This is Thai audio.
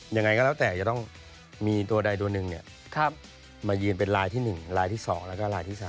อย่างไรอยากจะต้องมีตัวใดตัวนึงมายืนเป็นรายที่๑รายที่๒แล้วก็รายที่๓